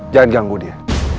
jangan ganggu dia